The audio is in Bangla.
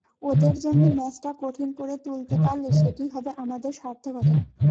ওদের জন্য ম্যাচটা কঠিন করে তুলতে পারলে সেটিই হবে আমাদের সার্থকতা।